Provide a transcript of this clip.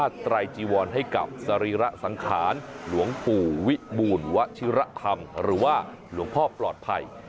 ไตรจีวรให้กับสรีระสังขารหลวงปู่วิบูลวชิระคำหรือว่าหลวงพ่อปลอดภัย